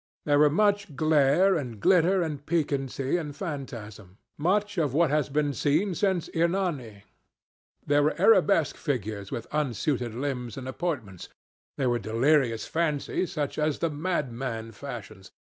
There were much glare and glitter and piquancy and phantasm—much of what has been since seen in "Hernani." There were arabesque figures with unsuited limbs and appointments. There were delirious fancies such as the madman fashions.